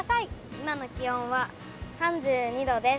今の気温は３２度です。